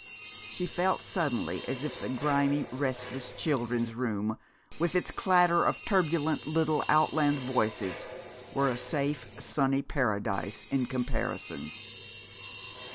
She felt suddenly as if the grimy, restless Children's Room, with its clatter of turbulent little outland voices, were a safe, sunny paradise in comparison.